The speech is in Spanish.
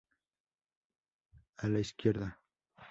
A la izq- Av.